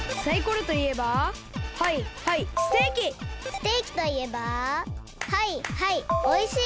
ステーキといえばはいはいおいしい！